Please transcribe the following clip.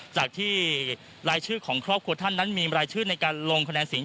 จากที่รายชื่อของครอบครัวท่านนั้นมีรายชื่อในการลงคะแนนเสียง